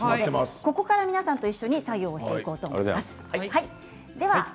ここから皆さんと一緒に作業していこうと思います。